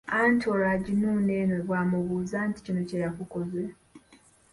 Anti olwo aginuuna eno bw’amubuuza nti, “kino kye yakukoze?"